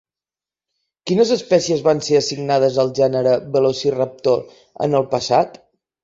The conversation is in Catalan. Quines espècies van ser assignades al gènere Velociraptor en el passat?